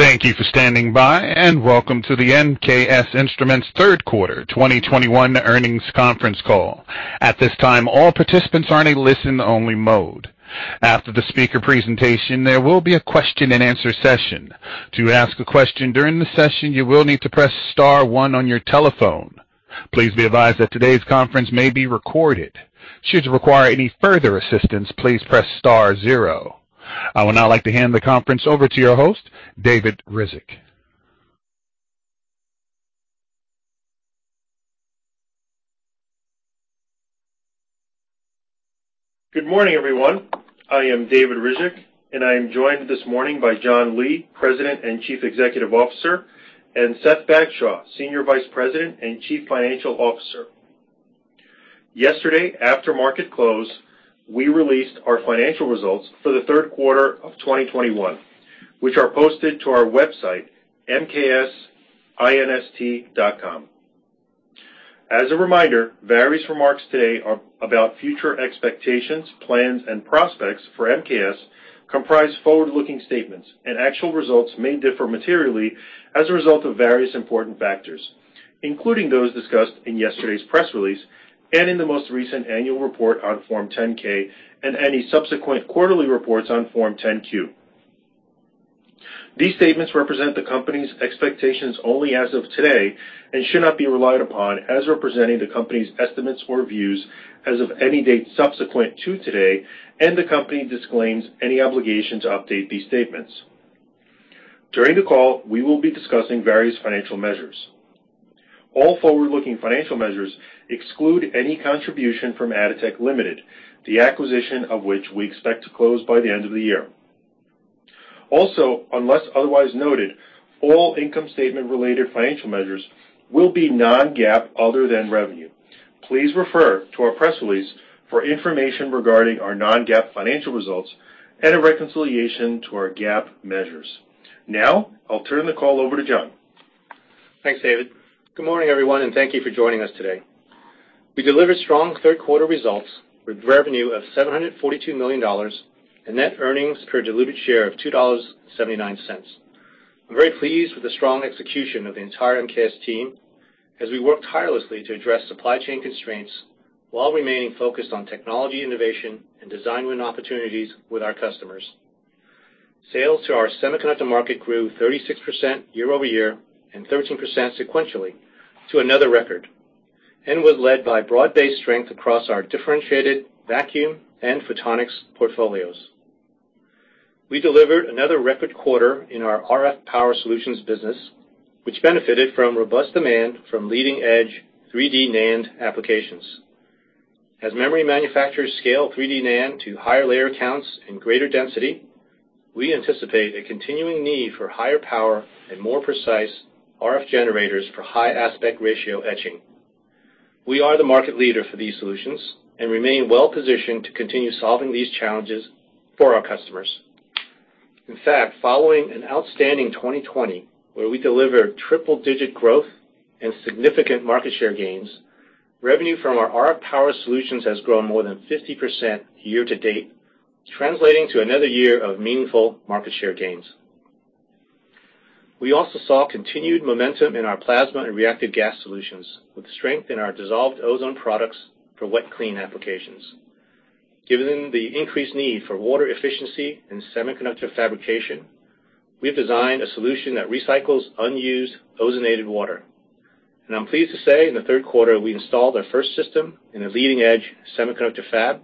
Thank you for standing by, and welcome to the MKS Instruments third quarter 2021 earnings conference call. At this time, all participants are in a listen-only mode. After the speaker presentation, there will be a question-and-answer session. To ask a question during the session, you will need to press star one on your telephone. Please be advised that today's conference may be recorded. Should you require any further assistance, please press star zero. I would now like to hand the conference over to your host, David Ryzhik. Good morning, everyone. I am David Ryzhik, and I am joined this morning by John Lee, President and Chief Executive Officer, and Seth Bagshaw, Senior Vice President and Chief Financial Officer. Yesterday, after market close, we released our financial results for the third quarter of 2021, which are posted to our website, mksinst.com. As a reminder, various remarks today are about future expectations, plans, and prospects for MKS comprise forward-looking statements, and actual results may differ materially as a result of various important factors, including those discussed in yesterday's press release and in the most recent annual report on Form 10-K and any subsequent quarterly reports on Form 10-Q. These statements represent the company's expectations only as of today and should not be relied upon as representing the company's estimates or views as of any date subsequent to today, and the company disclaims any obligation to update these statements. During the call, we will be discussing various financial measures. All forward-looking financial measures exclude any contribution from Atotech Limited, the acquisition of which we expect to close by the end of the year. Also, unless otherwise noted, all income statement-related financial measures will be non-GAAP, other than revenue. Please refer to our press release for information regarding our non-GAAP financial results and a reconciliation to our GAAP measures. Now, I'll turn the call over to John. Thanks, David. Good morning, everyone, and thank you for joining us today. We delivered strong third quarter results with revenue of $742 million and net earnings per diluted share of $2.79. I'm very pleased with the strong execution of the entire MKS team as we worked tirelessly to address supply chain constraints while remaining focused on technology, innovation, and design win opportunities with our customers. Sales to our semiconductor market grew 36% year-over-year and 13% sequentially to another record, and was led by broad-based strength across our differentiated vacuum and photonics portfolios. We delivered another record quarter in our RF power solutions business, which benefited from robust demand from leading-edge 3D NAND applications. As memory manufacturers scale 3D NAND to higher layer counts and greater density, we anticipate a continuing need for higher power and more precise RF generators for high aspect ratio etching. We are the market leader for these solutions and remain well-positioned to continue solving these challenges for our customers. In fact, following an outstanding 2020, where we delivered triple-digit growth and significant market share gains, revenue from our RF power solutions has grown more than 50% year to date, translating to another year of meaningful market share gains. We also saw continued momentum in our plasma and reactive gas solutions, with strength in our dissolved ozone products for wet clean applications. Given the increased need for water efficiency in semiconductor fabrication, we have designed a solution that recycles unused ozonated water. I'm pleased to say, in the third quarter, we installed our first system in a leading-edge semiconductor fab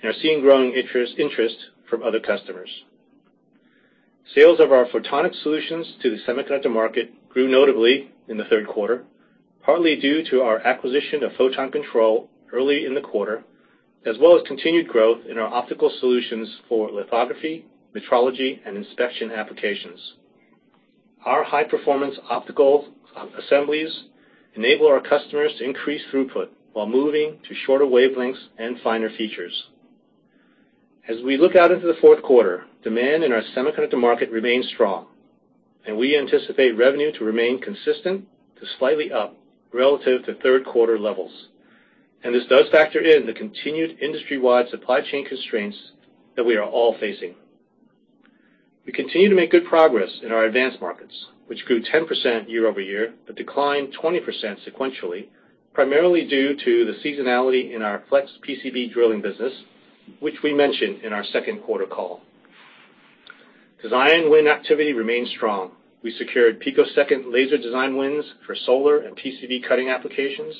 and are seeing growing interest, interest from other customers. Sales of our photonic solutions to the semiconductor market grew notably in the third quarter, partly due to our acquisition of Photon Control early in the quarter, as well as continued growth in our optical solutions for lithography, metrology, and inspection applications. Our high-performance optical assemblies enable our customers to increase throughput while moving to shorter wavelengths and finer features. As we look out into the fourth quarter, demand in our semiconductor market remains strong, and we anticipate revenue to remain consistent to slightly up relative to third quarter levels. This does factor in the continued industry-wide supply chain constraints that we are all facing. We continue to make good progress in our advanced markets, which grew 10% year-over-year, but declined 20% sequentially, primarily due to the seasonality in our flex PCB drilling business, which we mentioned in our second quarter call. Design win activity remains strong. We secured picosecond laser design wins for solar and PCB cutting applications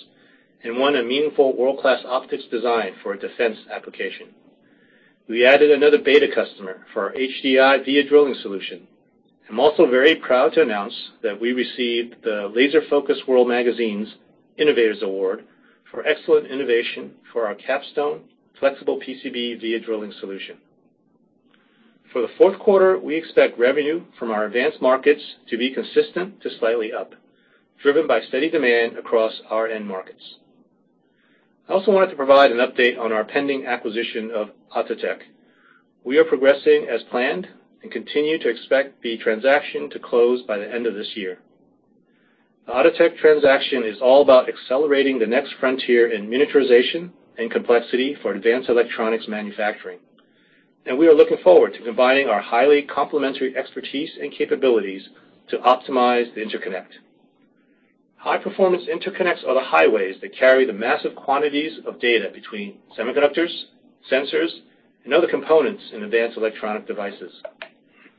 and won a meaningful world-class optics design for a defense application. We added another beta customer for our HDI via drilling solution. I'm also very proud to announce that we received the Laser Focus World Magazine's Innovators Award for excellent innovation for our CapStone flexible PCB via drilling solution. For the fourth quarter, we expect revenue from our advanced markets to be consistent to slightly up, driven by steady demand across our end markets. I also wanted to provide an update on our pending acquisition of Atotech. We are progressing as planned and continue to expect the transaction to close by the end of this year. The Atotech transaction is all about accelerating the next frontier in miniaturization and complexity for advanced electronics manufacturing, and we are looking forward to combining our highly complementary expertise and capabilities to optimize the interconnect. High-performance interconnects are the highways that carry the massive quantities of data between semiconductors, sensors, and other components in advanced electronic devices.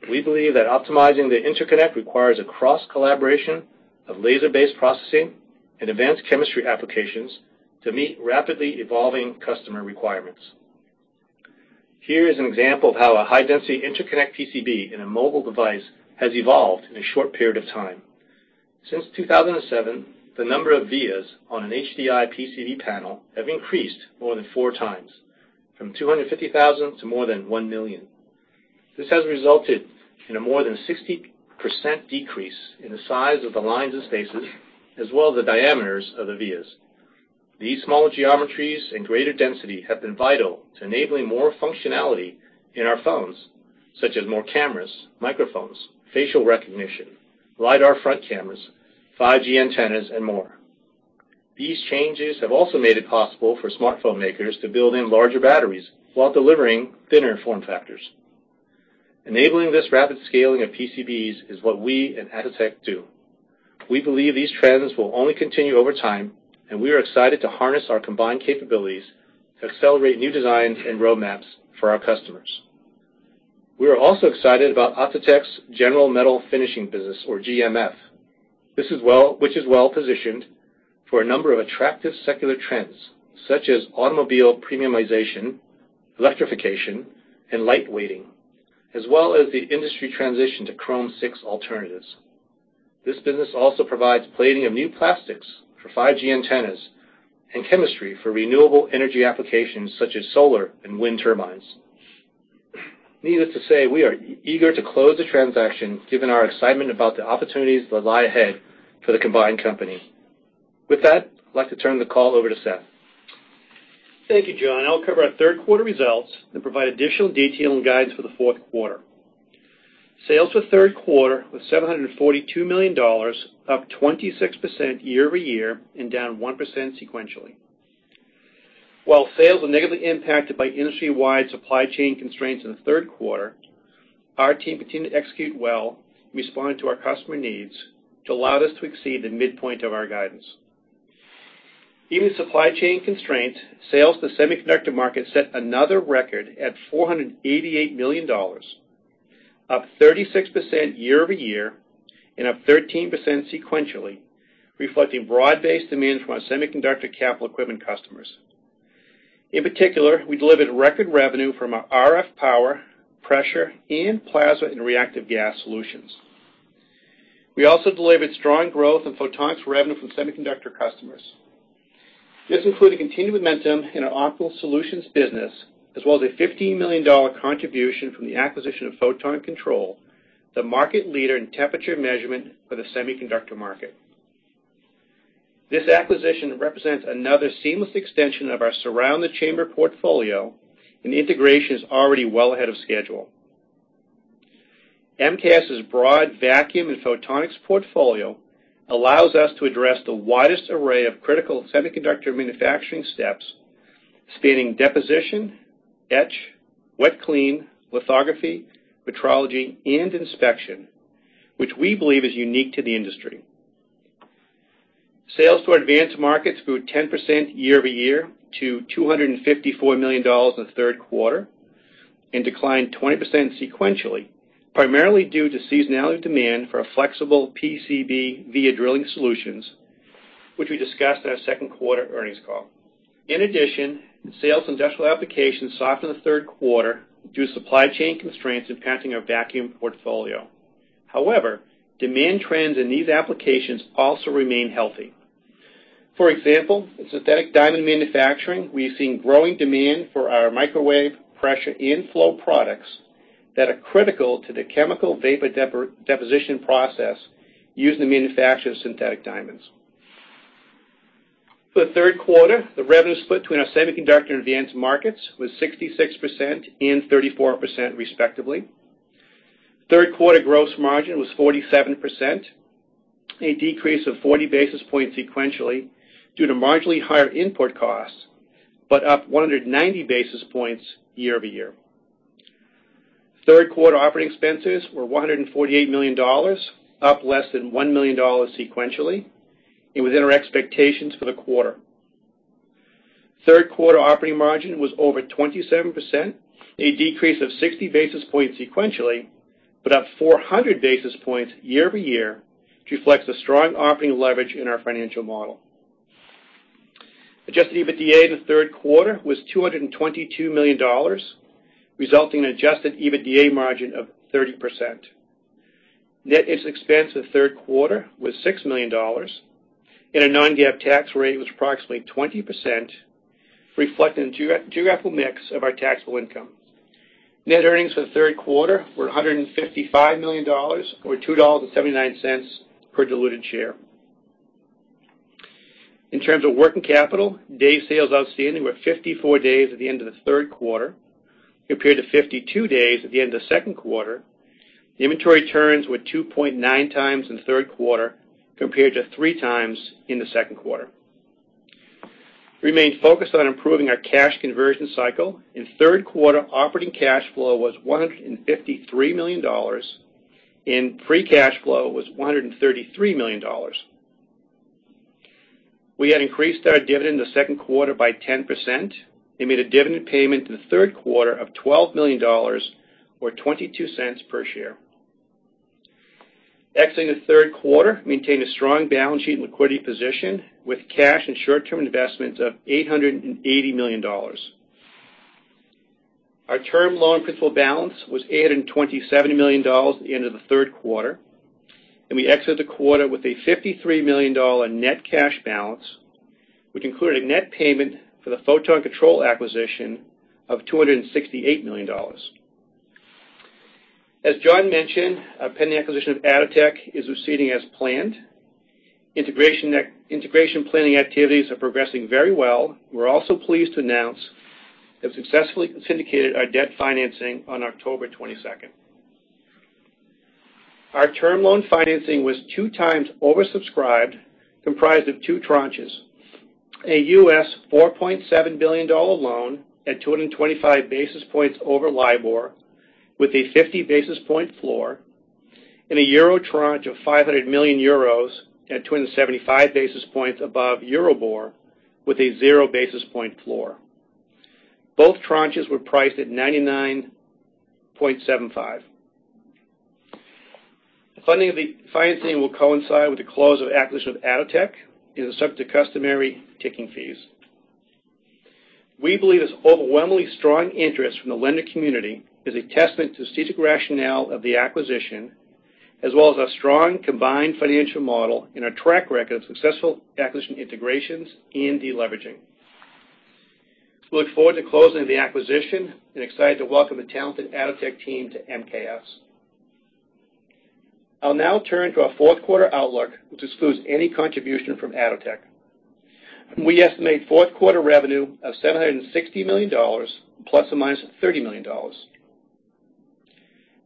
We believe that optimizing the interconnect requires a cross-collaboration of laser-based processing and advanced chemistry applications to meet rapidly evolving customer requirements. Here is an example of how a high-density interconnect PCB in a mobile device has evolved in a short period of time. Since 2007, the number of vias on an HDI PCB panel have increased more than four times, from 250,000 to more than 1 million. This has resulted in a more than 60% decrease in the size of the lines and spaces, as well as the diameters of the vias. These smaller geometries and greater density have been vital to enabling more functionality in our phones, such as more cameras, microphones, facial recognition, LiDAR front cameras, 5G antennas, and more. These changes have also made it possible for smartphone makers to build in larger batteries while delivering thinner form factors. Enabling this rapid scaling of PCBs is what we and Atotech do. We believe these trends will only continue over time, and we are excited to harness our combined capabilities to accelerate new designs and roadmaps for our customers. We are also excited about Atotech's General Metal Finishing business or GMF. This is which is well positioned for a number of attractive secular trends, such as automobile premiumization, electrification, and lightweighting, as well as the industry transition to Chrome VI alternatives. This business also provides plating of new plastics for 5G antennas and chemistry for renewable energy applications, such as solar and wind turbines. Needless to say, we are eager to close the transaction, given our excitement about the opportunities that lie ahead for the combined company. With that, I'd like to turn the call over to Seth. Thank you, John. I'll cover our third quarter results and provide additional detail and guidance for the fourth quarter. Sales for the third quarter was $742 million, up 26% year-over-year and down 1% sequentially. While sales were negatively impacted by industry-wide supply chain constraints in the third quarter, our team continued to execute well in responding to our customer needs, which allowed us to exceed the midpoint of our guidance. Even with supply chain constraints, sales to the semiconductor market set another record at $488 million, up 36% year-over-year and up 13% sequentially, reflecting broad-based demand from our semiconductor capital equipment customers. In particular, we delivered record revenue from our RF power, pressure, and plasma and reactive gas solutions. We also delivered strong growth in photonics revenue from semiconductor customers. This included continued momentum in our optical solutions business, as well as a $15 million contribution from the acquisition of Photon Control, the market leader in temperature measurement for the semiconductor market. This acquisition represents another seamless extension of our Surround the Chamber portfolio, and the integration is already well ahead of schedule. MKS's broad vacuum and photonics portfolio allows us to address the widest array of critical semiconductor manufacturing steps, spanning deposition, etch, wet clean, lithography, metrology, and inspection, which we believe is unique to the industry. Sales to our advanced markets grew 10% year-over-year to $254 million in the third quarter and declined 20% sequentially, primarily due to seasonality of demand for our flexible PCB via drilling solutions, which we discussed in our second quarter earnings call. In addition, sales in industrial applications softened in the third quarter due to supply chain constraints impacting our vacuum portfolio. However, demand trends in these applications also remain healthy. For example, in synthetic diamond manufacturing, we've seen growing demand for our microwave, pressure, and flow products that are critical to the chemical vapor deposition process used in the manufacture of synthetic diamonds. For the third quarter, the revenue split between our semiconductor and advanced markets was 66% and 34%, respectively. Third quarter gross margin was 47%, a decrease of 40 basis points sequentially due to marginally higher input costs, but up 190 basis points year-over-year. Third quarter operating expenses were $148 million, up less than $1 million sequentially and within our expectations for the quarter. Third quarter operating margin was over 27%, a decrease of 60 basis points sequentially, but up 400 basis points year-over-year, which reflects the strong operating leverage in our financial model. Adjusted EBITDA in the third quarter was $222 million, resulting in adjusted EBITDA margin of 30%. Net interest expense in the third quarter was $6 million, and our non-GAAP tax rate was approximately 20%, reflecting the geographical mix of our taxable income. Net earnings for the third quarter were $155 million, or $2.79 per diluted share. In terms of working capital, days sales outstanding were 54 days at the end of the third quarter, compared to 52 days at the end of the second quarter. Inventory turns were two point nine times in the third quarter, compared to three times in the second quarter. We remained focused on improving our cash conversion cycle. In third quarter, operating cash flow was $153 million, and free cash flow was $133 million. We had increased our dividend in the second quarter by 10% and made a dividend payment in the third quarter of $12 million or $0.22 per share. Exiting the third quarter, maintained a strong balance sheet and liquidity position with cash and short-term investments of $880 million. Our term loan principal balance was $827 million at the end of the third quarter, and we exited the quarter with a $53 million net cash balance, which included a net payment for the Photon Control acquisition of $268 million. As John mentioned, our pending acquisition of Atotech is proceeding as planned. Integration planning activities are progressing very well. We're also pleased to announce that we successfully syndicated our debt financing on October 22. Our term loan financing was two times oversubscribed, comprised of two tranches: a U.S. $4.7 billion dollar loan at 225 basis points over LIBOR, with a 50 basis point floor, and a euro tranche of 500 million euros at 275 basis points above EURIBOR, with a 0 basis point floor. Both tranches were priced at 99.75. Funding of the financing will coincide with the close of acquisition of Atotech and is subject to customary ticking fees. We believe this overwhelmingly strong interest from the lender community is a testament to strategic rationale of the acquisition, as well as our strong combined financial model and our track record of successful acquisition integrations and deleveraging. We look forward to closing the acquisition and excited to welcome the talented Atotech team to MKS. I'll now turn to our fourth quarter outlook, which excludes any contribution from Atotech. We estimate fourth quarter revenue of $760 million ±$30 million.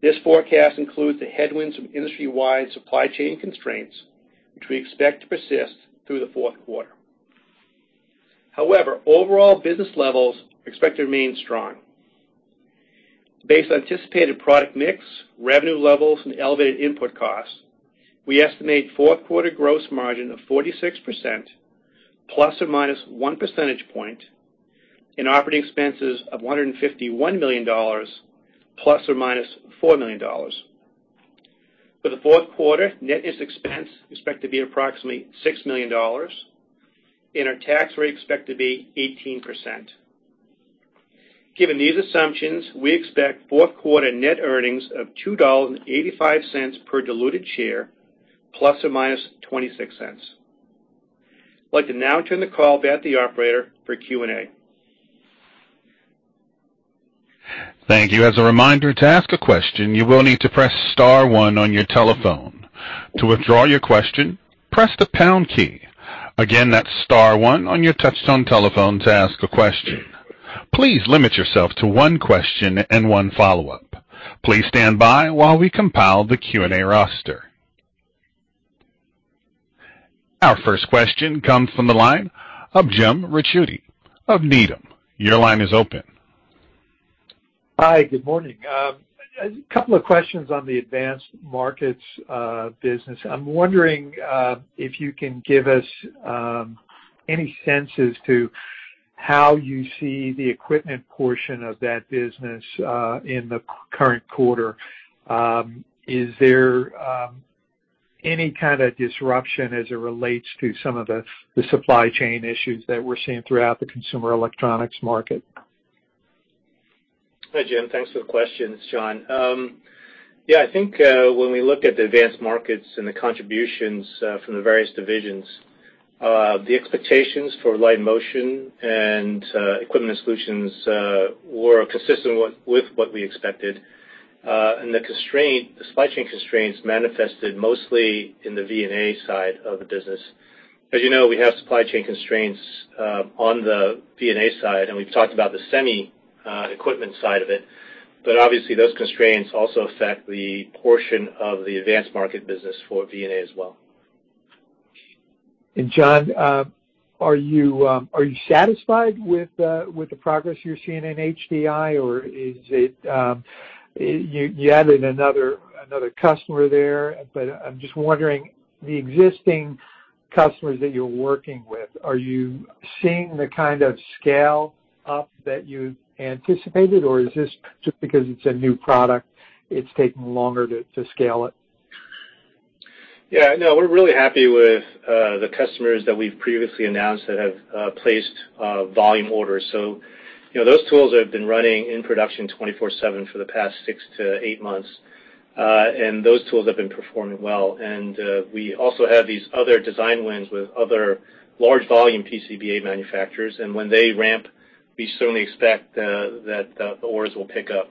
This forecast includes the headwinds from industry-wide supply chain constraints, which we expect to persist through the fourth quarter. However, overall business levels are expected to remain strong. Based on anticipated product mix, revenue levels, and elevated input costs, we estimate fourth quarter gross margin of 46% ±1 percentage point, and operating expenses of $151 million ±$4 million. For the fourth quarter, net interest expense is expected to be approximately $6 million, and our tax rate is expected to be 18%. Given these assumptions, we expect fourth quarter net earnings of $2.85 per diluted share ±26 cents. I'd like to now turn the call back to the operator for Q&A. Thank you. As a reminder, to ask a question, you will need to press star one on your telephone. To withdraw your question, press the pound key. Again, that's star one on your touchtone telephone to ask a question. Please limit yourself to one question and one follow-up. Please stand by while we compile the Q&A roster. Our first question comes from the line of Jim Ricchiuti of Needham. Your line is open. Hi, good morning. A couple of questions on the advanced markets business. I'm wondering if you can give us any sense as to how you see the equipment portion of that business in the current quarter. Is there any kind of disruption as it relates to some of the supply chain issues that we're seeing throughout the consumer electronics market? Hi, Jim. Thanks for the question. It's John. Yeah, I think when we look at the advanced markets and the contributions from the various divisions, the expectations for Light & Motion and Equipment & Solutions were consistent with, with what we expected. And the constraint, the supply chain constraints manifested mostly in the V&A side of the business. As you know, we have supply chain constraints on the V&A side, and we've talked about the semi- equipment side of it. But obviously, those constraints also affect the portion of the advanced market business for V&A as well. John, are you satisfied with the progress you're seeing in HDI? Or is it you added another customer there, but I'm just wondering, the existing customers that you're working with, are you seeing the kind of scale up that you anticipated, or is this just because it's a new product, it's taking longer to scale it? Yeah. No, we're really happy with the customers that we've previously announced that have placed volume orders. So you know, those tools have been running in production 24/7 for the past 6-8 months, and those tools have been performing well. And we also have these other design wins with other large volume PCBA manufacturers, and when they ramp... we certainly expect that the orders will pick up.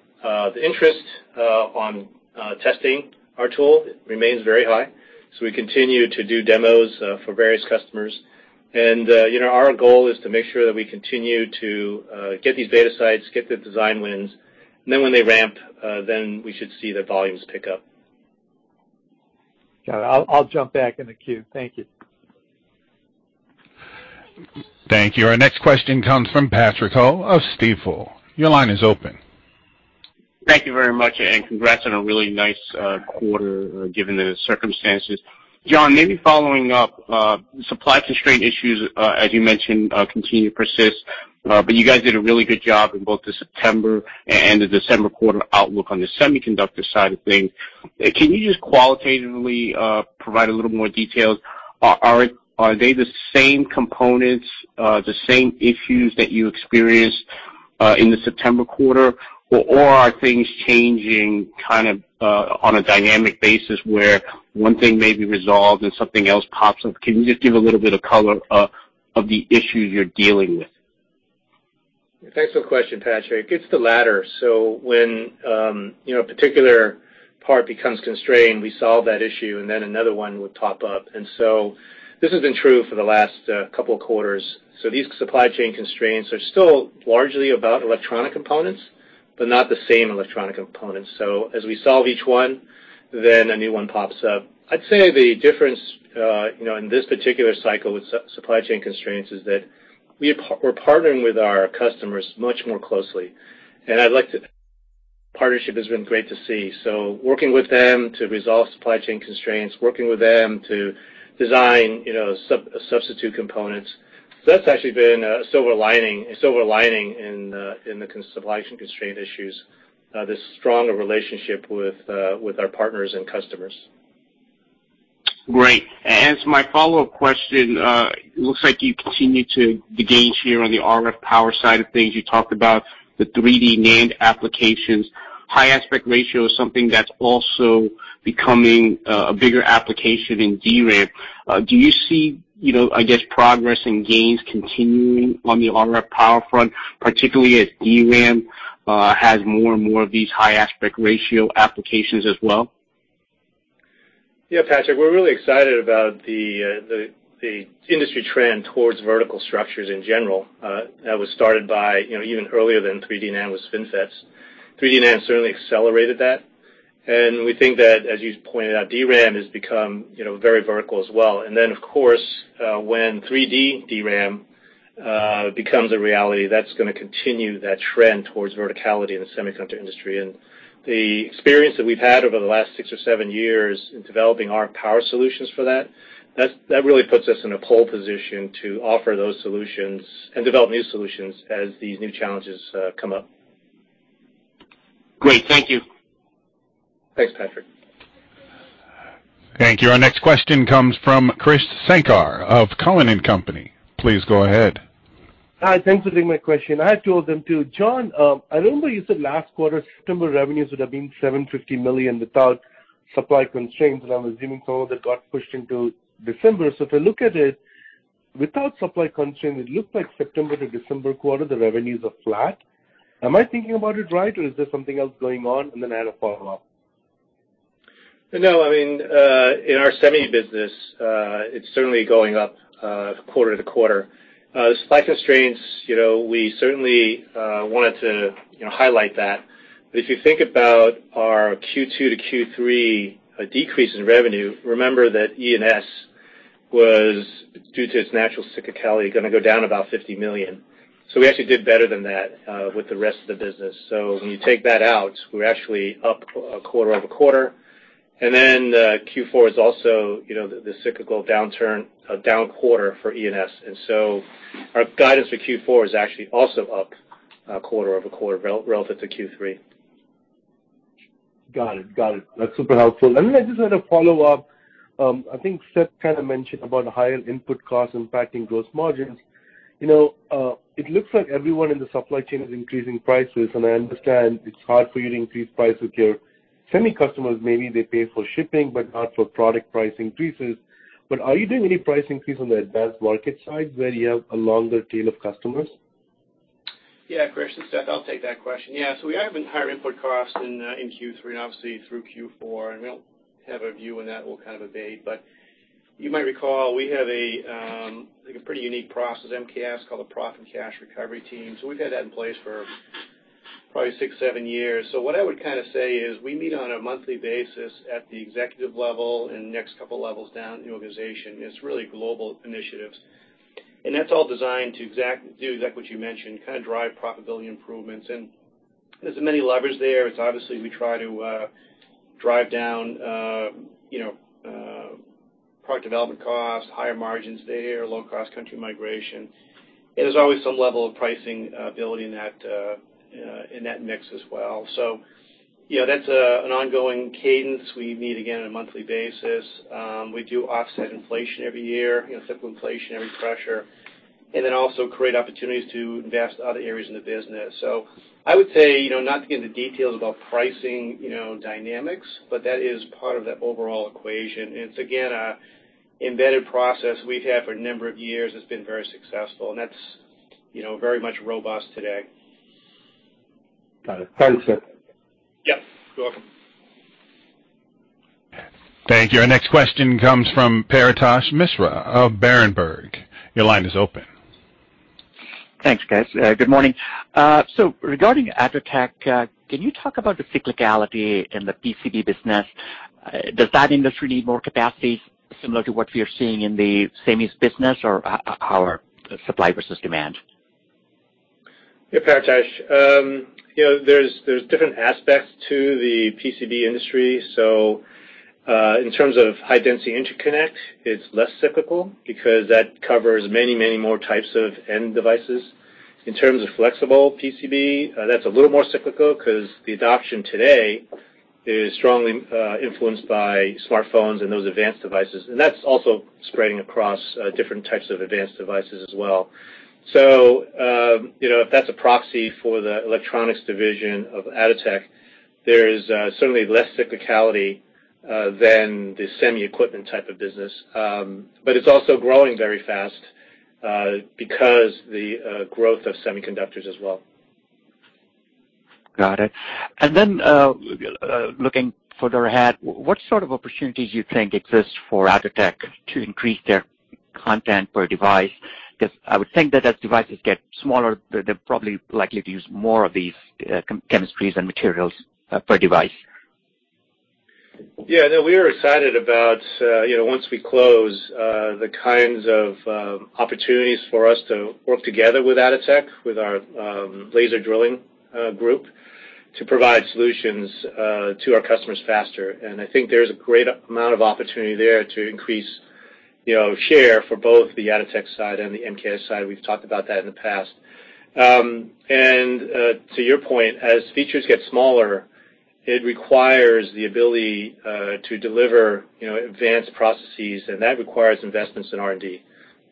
The interest on testing our tool remains very high, so we continue to do demos for various customers. And you know, our goal is to make sure that we continue to get these beta sites, get the design wins, and then when they ramp, then we should see the volumes pick up. Got it. I'll jump back in the queue. Thank you. Thank you. Our next question comes from Patrick Ho of Stifel. Your line is open. Thank you very much, and congrats on a really nice quarter, given the circumstances. John, maybe following up, supply constraint issues, as you mentioned, continue to persist, but you guys did a really good job in both the September and the December quarter outlook on the semiconductor side of things. Can you just qualitatively provide a little more details? Are they the same components, the same issues that you experienced, in the September quarter? Or are things changing kind of, on a dynamic basis, where one thing may be resolved and something else pops up? Can you just give a little bit of color, of the issues you're dealing with? Thanks for the question, Patrick. It's the latter. So when, you know, a particular part becomes constrained, we solve that issue, and then another one would pop up. And so this has been true for the last couple of quarters. So these supply chain constraints are still largely about electronic components, but not the same electronic components. So as we solve each one, then a new one pops up. I'd say the difference, you know, in this particular cycle with supply chain constraints is that we're partnering with our customers much more closely, and partnership has been great to see. So working with them to resolve supply chain constraints, working with them to design, you know, substitute components, that's actually been a silver lining, a silver lining in the supply chain constraint issues, this stronger relationship with our partners and customers. Great. As my follow-up question, it looks like you continue to gain share on the RF power side of things. You talked about the 3D NAND applications. High aspect ratio is something that's also becoming a bigger application in DRAM. Do you see, you know, I guess, progress and gains continuing on the RF power front, particularly as DRAM has more and more of these high aspect ratio applications as well? Yeah, Patrick, we're really excited about the industry trend towards vertical structures in general. That was started by, you know, even earlier than 3D NAND with FinFETs. 3D NAND certainly accelerated that, and we think that, as you pointed out, DRAM has become, you know, very vertical as well. And then, of course, when 3D DRAM becomes a reality, that's gonna continue that trend towards verticality in the semiconductor industry. And the experience that we've had over the last six or seven years in developing our power solutions for that really puts us in a pole position to offer those solutions and develop new solutions as these new challenges come up. Great. Thank you. Thanks, Patrick. Thank you. Our next question comes from Krish Sankar of Cowen and Company. Please go ahead. Hi, thanks for taking my question. I had two of them, too. John, I remember you said last quarter, September revenues would have been $750 million without supply constraints, and I'm assuming some of that got pushed into December. So if I look at it, without supply constraints, it looks like September to December quarter, the revenues are flat. Am I thinking about it right, or is there something else going on? And then I had a follow-up. No, I mean, in our semi business, it's certainly going up, quarter-to-quarter. Supply constraints, you know, we certainly wanted to, you know, highlight that. But if you think about our Q2 to Q3, decrease in revenue, remember that E&S was, due to its natural cyclicality, gonna go down about $50 million. So we actually did better than that, with the rest of the business. So when you take that out, we're actually up quarter-over-quarter. And then, Q4 is also, you know, the, the cyclical downturn, down quarter for E&S. And so our guidance for Q4 is actually also up, quarter-over-quarter relative to Q3. Got it. Got it. That's super helpful. Then I just had a follow-up. I think Seth kind of mentioned about higher input costs impacting gross margins. You know, it looks like everyone in the supply chain is increasing prices, and I understand it's hard for you to increase prices. Your semi customers, maybe they pay for shipping, but not for product price increases. But are you doing any price increase on the advanced market side, where you have a longer tail of customers? Yeah, Krish, this is Seth. I'll take that question. Yeah, so we have higher input costs in Q3 and obviously through Q4, and we don't have a view on that will kind of abate. But you might recall, we have a like a pretty unique process at MKS, called a profit and cash recovery team. So we've had that in place for probably six, seven years. So what I would kind of say is, we meet on a monthly basis at the executive level and next couple of levels down in the organization. It's really global initiatives, and that's all designed to exactly do what you mentioned, kind of drive profitability improvements. And there's many levers there. It's obviously, we try to drive down, you know, product development costs, higher margins there, low-cost country migration. There's always some level of pricing ability in that mix as well. So, you know, that's an ongoing cadence. We meet again on a monthly basis. We do offset inflation every year, you know, simple inflation, every pressure, and then also create opportunities to invest in other areas in the business. So I would say, you know, not to get into details about pricing, you know, dynamics, but that is part of the overall equation. It's again, a- ... embedded process we've had for a number of years has been very successful, and that's, you know, very much robust today. Got it. Thanks, John. Yep, you're welcome. Thank you. Our next question comes from Paretosh Misra of Berenberg. Your line is open. Thanks, guys. Good morning. So regarding Atotech, can you talk about the cyclicality in the PCB business? Does that industry need more capacity similar to what we are seeing in the SEMIs business or how are supply versus demand? Yeah, Paretosh, you know, there's different aspects to the PCB industry. So, in terms of high density interconnect, it's less cyclical because that covers many, many more types of end devices. In terms of flexible PCB, that's a little more cyclical because the adoption today is strongly influenced by smartphones and those advanced devices, and that's also spreading across different types of advanced devices as well. So, you know, if that's a proxy for the electronics division of Atotech, there is certainly less cyclicality than the semi equipment type of business. But it's also growing very fast because the growth of semiconductors as well. Got it. And then, looking further ahead, what sort of opportunities do you think exist for Atotech to increase their content per device? Because I would think that as devices get smaller, they're probably likely to use more of these chemistries and materials per device. Yeah, no, we are excited about, you know, once we close, the kinds of opportunities for us to work together with Atotech, with our, laser drilling group, to provide solutions to our customers faster. And I think there's a great amount of opportunity there to increase, you know, share for both the Atotech side and the MKS side. We've talked about that in the past. To your point, as features get smaller, it requires the ability to deliver, you know, advanced processes, and that requires investments in R&D.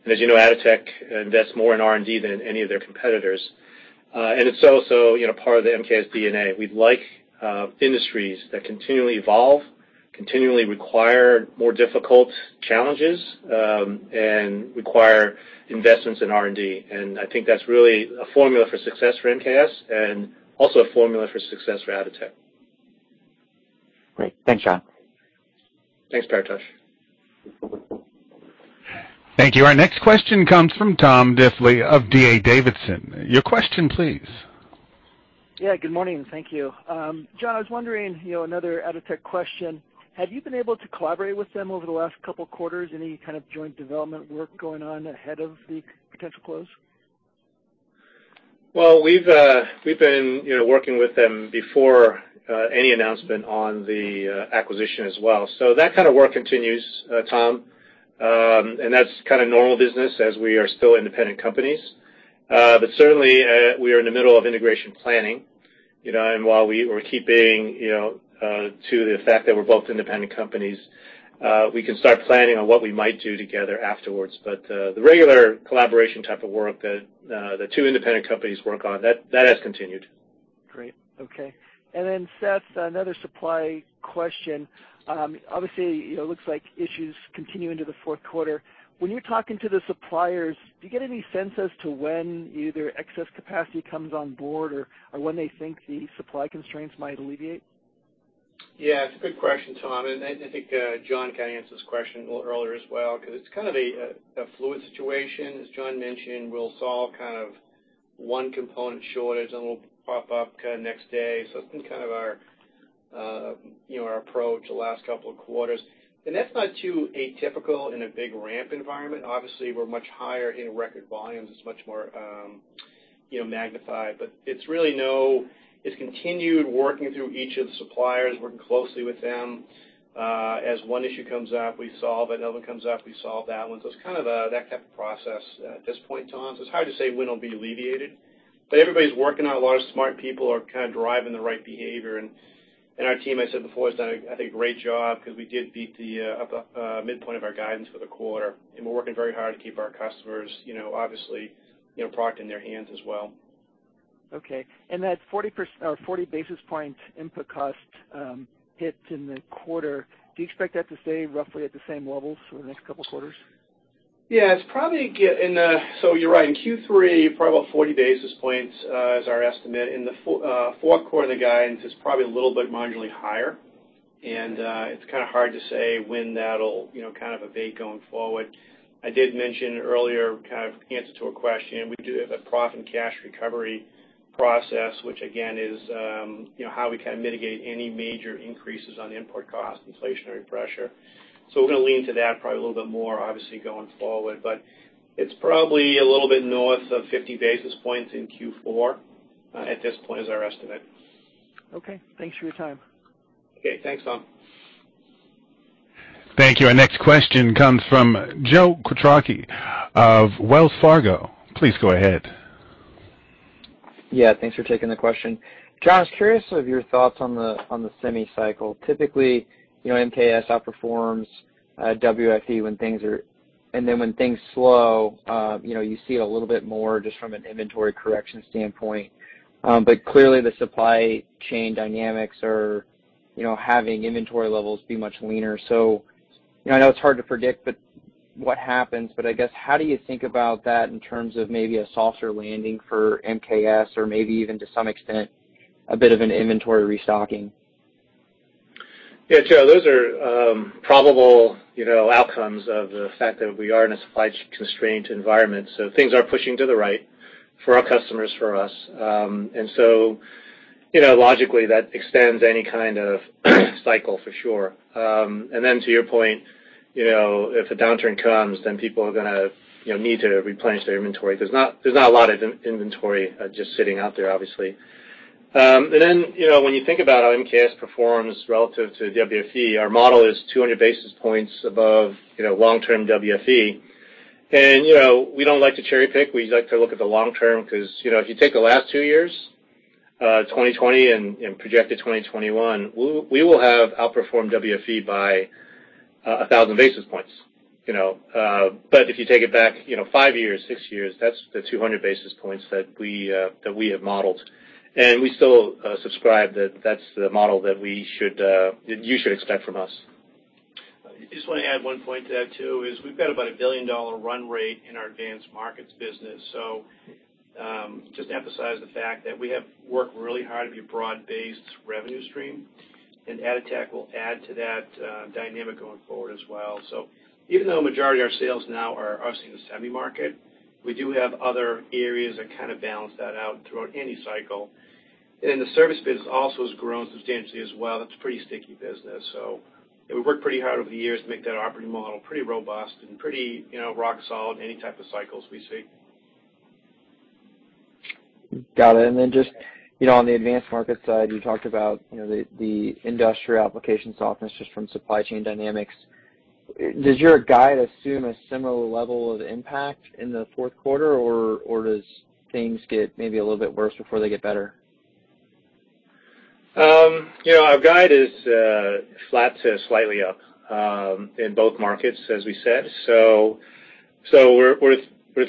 And as you know, Atotech invests more in R&D than any of their competitors. And it's also, you know, part of the MKS DNA. We like industries that continually evolve, continually require more difficult challenges, and require investments in R&D. I think that's really a formula for success for MKS and also a formula for success for Atotech. Great. Thanks, John. Thanks, Paretosh. Thank you. Our next question comes from Tom Diffley of D.A. Davidson. Your question, please. Yeah, good morning. Thank you. John, I was wondering, you know, another Atotech question. Have you been able to collaborate with them over the last couple of quarters? Any kind of joint development work going on ahead of the potential close? Well, we've, we've been, you know, working with them before, any announcement on the, acquisition as well. So that kind of work continues, Tom. And that's kind of normal business as we are still independent companies. But certainly, we are in the middle of integration planning, you know, and while we're keeping, you know, to the fact that we're both independent companies, we can start planning on what we might do together afterwards. But, the regular collaboration type of work that, the two independent companies work on, that, that has continued. Great. Okay. Seth, another supply question. Obviously, you know, it looks like issues continue into the fourth quarter. When you're talking to the suppliers, do you get any sense as to when either excess capacity comes on board or, or when they think the supply constraints might alleviate? Yeah, it's a good question, Tom, and I think John kind of answered this question a little earlier as well, because it's kind of a fluid situation. As John mentioned, we'll solve kind of one component shortage, and we'll pop up kind of next day. So it's been kind of our, you know, our approach the last couple of quarters. That's not too atypical in a big ramp environment. Obviously, we're much higher in record volumes. It's much more, you know, magnified, but it's really continued working through each of the suppliers, working closely with them. As one issue comes up, we solve it. Another one comes up, we solve that one. So it's kind of that type of process at this point, Tom. So it's hard to say when it'll be alleviated, but everybody's working on it. A lot of smart people are kind of driving the right behavior. Our team, I said before, has done, I think, a great job because we did beat the up midpoint of our guidance for the quarter, and we're working very hard to keep our customers, you know, obviously, you know, product in their hands as well. Okay. And that 40 basis points input cost hit in the quarter. Do you expect that to stay roughly at the same levels for the next couple quarters? Yeah, it's probably—So you're right, in Q3, probably about 40 basis points is our estimate. In the fourth quarter, the guidance is probably a little bit marginally higher, and it's kind of hard to say when that'll, you know, kind of abate going forward. I did mention earlier, kind of answer to a question, we do have a profit and cash recovery process, which again is, you know, how we kind of mitigate any major increases on input cost, inflationary pressure. So we're gonna lean to that probably a little bit more, obviously, going forward, but it's probably a little bit north of 50 basis points in Q4, at this point, is our estimate. Okay, thanks for your time. Okay, thanks, Tom. Thank you. Our next question comes from Joe Quatrochi of Wells Fargo. Please go ahead. Yeah, thanks for taking the question. John, I was curious of your thoughts on the semi cycle. Typically, you know, MKS outperforms WFE when things are-... and then when things slow, you know, you see it a little bit more just from an inventory correction standpoint. But clearly the supply chain dynamics are, you know, having inventory levels be much leaner. So, you know, I know it's hard to predict, but what happens, but I guess, how do you think about that in terms of maybe a softer landing for MKS, or maybe even to some extent, a bit of an inventory restocking? Yeah, Joe, those are probable, you know, outcomes of the fact that we are in a supply-constrained environment. So things are pushing to the right for our customers, for us. And so, you know, logically, that extends any kind of cycle for sure. And then to your point, you know, if a downturn comes, then people are gonna, you know, need to replenish their inventory. There's not a lot of inventory just sitting out there, obviously. And then, you know, when you think about how MKS performs relative to WFE, our model is 200 basis points above, you know, long-term WFE. And, you know, we don't like to cherry pick. We like to look at the long term, because, you know, if you take the last two years, 2020 and projected 2021, we will have outperformed WFE by 1,000 basis points, you know? But if you take it back, you know, five years, six years, that's the 200 basis points that we have modeled. And we still subscribe that that's the model that we should, that you should expect from us. I just wanna add one point to that, too, is we've got about a $1 billion run rate in our advanced markets business. So, just to emphasize the fact that we have worked really hard to be a broad-based revenue stream, and Atotech will add to that dynamic going forward as well. So even though majority of our sales now are seeing the semi market, we do have other areas that kind of balance that out throughout any cycle. And then the service business also has grown substantially as well. That's a pretty sticky business. So we've worked pretty hard over the years to make that operating model pretty robust and pretty, you know, rock solid in any type of cycles we see. Got it. And then just, you know, on the advanced market side, you talked about, you know, the industrial application softness just from supply chain dynamics. Does your guide assume a similar level of impact in the fourth quarter, or does things get maybe a little bit worse before they get better? You know, our guide is flat to slightly up in both markets, as we said. So, we're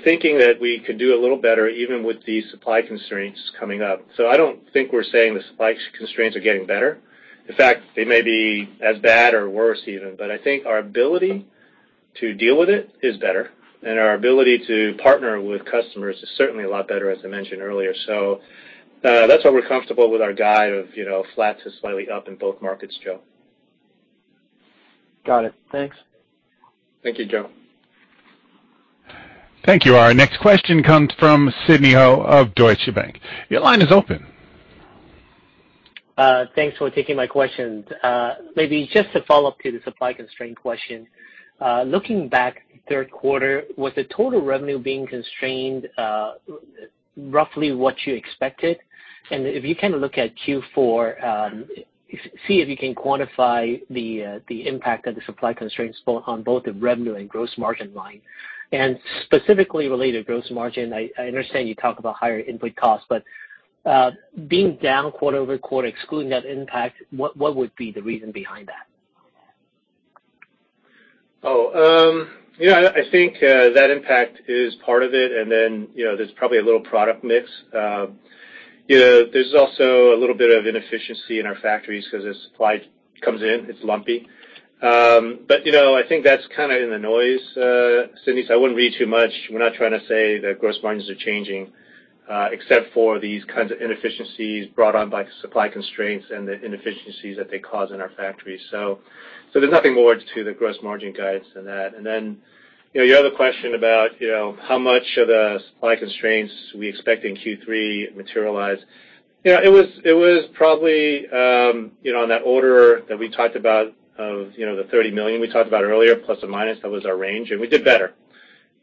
thinking that we could do a little better, even with the supply constraints coming up. So I don't think we're saying the supply constraints are getting better. In fact, they may be as bad or worse even, but I think our ability to deal with it is better, and our ability to partner with customers is certainly a lot better, as I mentioned earlier. So, that's why we're comfortable with our guide of, you know, flat to slightly up in both markets, Joe. Got it. Thanks. Thank you, Joe. Thank you. Our next question comes from Sidney Ho of Deutsche Bank. Your line is open. Thanks for taking my questions. Maybe just to follow up to the supply constraint question, looking back third quarter, was the total revenue being constrained, roughly what you expected? And if you can look at Q4, see if you can quantify the, the impact of the supply constraints on both the revenue and gross margin line. And specifically related to gross margin, I understand you talk about higher input costs, but, being down quarter-over-quarter, excluding that impact, what would be the reason behind that? Yeah, I think that impact is part of it, and then, you know, there's probably a little product mix. You know, there's also a little bit of inefficiency in our factories because as supply comes in, it's lumpy. But, you know, I think that's kind of in the noise, Sidney, so I wouldn't read too much. We're not trying to say that gross margins are changing, except for these kinds of inefficiencies brought on by supply constraints and the inefficiencies that they cause in our factories. So there's nothing more to the gross margin guidance than that. And then, you know, your other question about, you know, how much of the supply constraints we expect in Q3 materialize. You know, it was, it was probably, you know, on that order that we talked about of, you know, the $30 million we talked about earlier, plus or minus, that was our range, and we did better.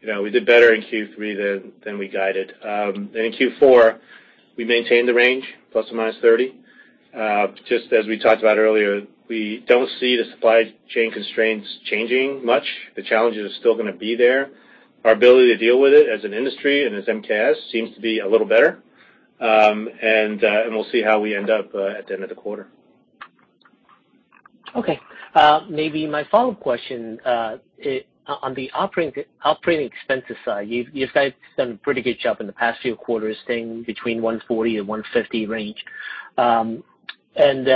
You know, we did better in Q3 than we guided. And in Q4, we maintained the range, plus or minus $30 million. Just as we talked about earlier, we don't see the supply chain constraints changing much. The challenges are still gonna be there. Our ability to deal with it as an industry and as MKS seems to be a little better. And we'll see how we end up at the end of the quarter. Okay. Maybe my follow-up question, on the operating expenses side, you guys have done a pretty good job in the past few quarters, staying in the $140-$150 range. And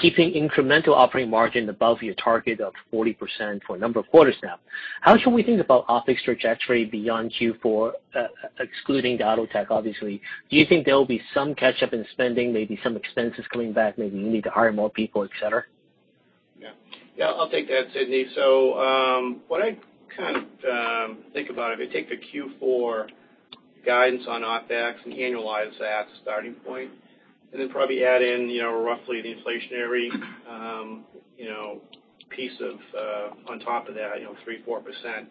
keeping incremental operating margin above your target of 40% for a number of quarters now. How should we think about OpEx trajectory beyond Q4, excluding the Atotech, obviously? Do you think there will be some catch up in spending, maybe some expenses coming back, maybe you need to hire more people, et cetera? Yeah. Yeah, I'll take that, Sidney. So, what I kind of think about, if I take the Q4 guidance on OpEx and annualize that starting point, and then probably add in, you know, roughly the inflationary, you know, piece of on top of that, you know, 3% to 4%,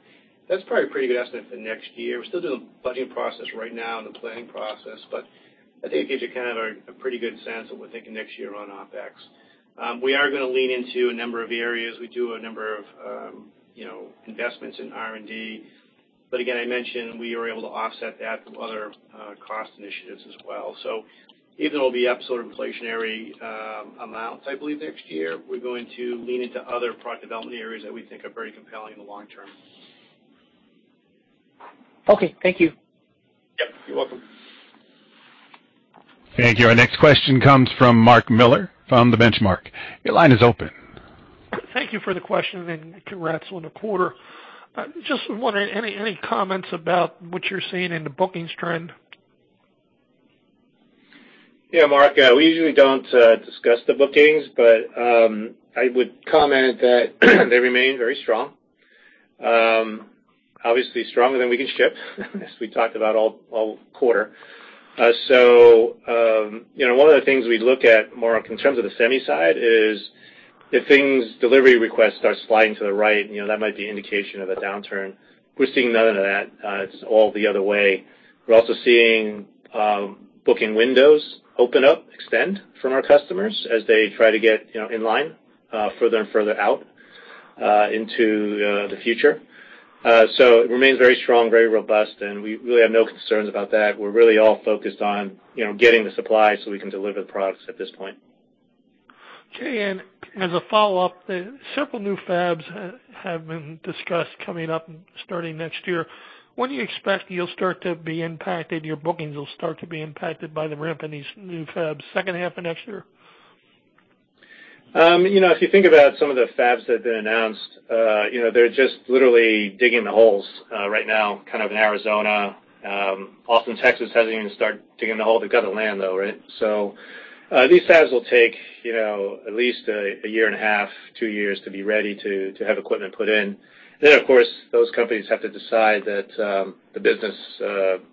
that's probably a pretty good estimate for next year. We're still doing the budgeting process right now and the planning process, but I think it gives you kind of a pretty good sense of what we're thinking next year on OpEx. We are gonna lean into a number of areas. We do a number of, you know, investments in R&D.... But again, I mentioned we were able to offset that through other cost initiatives as well. So even though it'll be up sort of inflationary amount, I believe next year, we're going to lean into other product development areas that we think are very compelling in the long term. Okay, thank you. Yep, you're welcome. Thank you. Our next question comes from Mark Miller from The Benchmark. Your line is open. Thank you for the question, and congrats on the quarter. I just wondering, any, any comments about what you're seeing in the bookings trend? Yeah, Mark, we usually don't discuss the bookings, but I would comment that they remain very strong. Obviously stronger than we can ship, as we talked about all quarter. So, you know, one of the things we look at more in terms of the semi side is if things delivery request starts sliding to the right, you know, that might be indication of a downturn. We're seeing none of that. It's all the other way. We're also seeing booking windows open up, extend from our customers as they try to get, you know, in line further and further out into the future. So it remains very strong, very robust, and we really have no concerns about that. We're really all focused on, you know, getting the supply so we can deliver the products at this point. Okay. And as a follow-up, the several new fabs have been discussed coming up starting next year. When do you expect you'll start to be impacted, your bookings will start to be impacted by the ramp in these new fabs, second half of next year? You know, if you think about some of the fabs that have been announced, you know, they're just literally digging the holes right now, kind of in Arizona. Austin, Texas, hasn't even started digging the hole. They got the land, though, right? So, these fabs will take, you know, at least a year and a half, two years to be ready to have equipment put in. Then, of course, those companies have to decide that the business,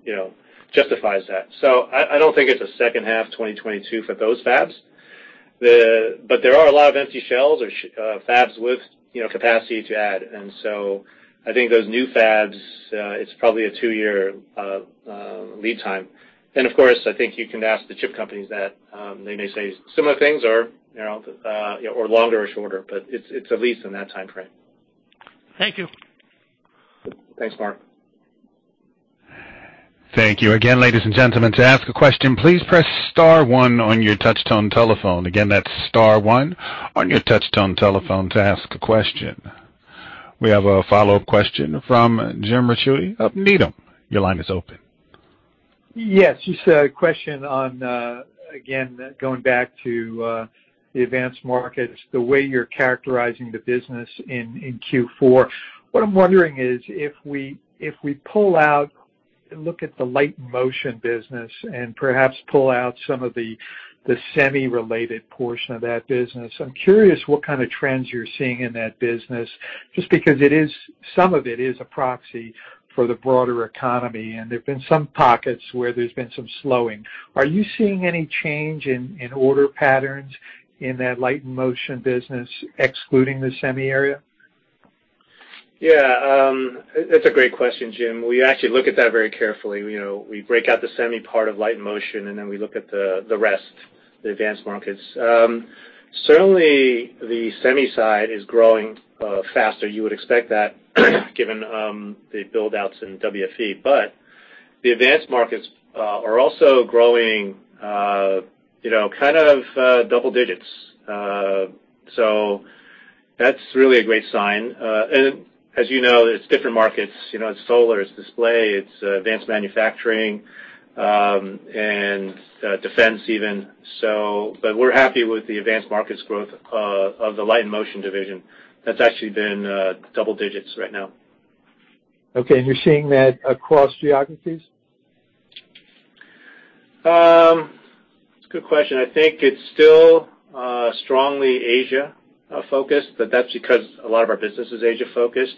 you know, justifies that. So I don't think it's a second half 2022 for those fabs. But there are a lot of empty shells or fabs with, you know, capacity to add. And so I think those new fabs, it's probably a two-year lead time. Of course, I think you can ask the chip companies that, they may say similar things or, you know, or longer or shorter, but it's, it's at least in that timeframe. Thank you. Thanks, Mark. Thank you again, ladies and gentlemen. To ask a question, please press star one on your touchtone telephone. Again, that's star one on your touchtone telephone to ask a question. We have a follow-up question from Jim Ricchiuti of Needham. Your line is open. Yes, just a question on, again, going back to, the advanced markets, the way you're characterizing the business in, in Q4. What I'm wondering is, if we, if we pull out and look at the Light & Motion business, and perhaps pull out some of the, the semi-related portion of that business, I'm curious what kind of trends you're seeing in that business, just because it is, some of it is a proxy for the broader economy, and there have been some pockets where there's been some slowing. Are you seeing any change in, in order patterns in that Light & Motion business, excluding the semi area? Yeah, that's a great question, Jim. We actually look at that very carefully. You know, we break out the semi part of light and motion, and then we look at the rest, the advanced markets. Certainly, the semi side is growing faster. You would expect that given the buildouts in WFE. But the advanced markets are also growing, you know, kind of double digits. So that's really a great sign. And as you know, it's different markets. You know, it's solar, it's display, it's advanced manufacturing, and defense even. So, but we're happy with the advanced markets growth of the light and motion division. That's actually been double digits right now. Okay. You're seeing that across geographies? It's a good question. I think it's still strongly Asia focused, but that's because a lot of our business is Asia-focused.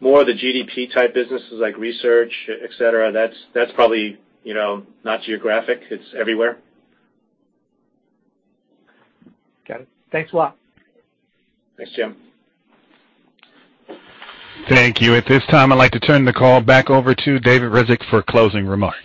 More of the GDP-type businesses like research, et cetera, that's probably, you know, not geographic. It's everywhere. Okay. Thanks a lot. Thanks, Jim. Thank you. At this time, I'd like to turn the call back over to David Ryzhik for closing remarks.